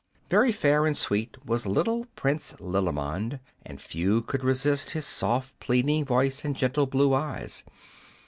VERY fair and sweet was little Prince Lilimond, and few could resist his soft, pleading voice and gentle blue eyes.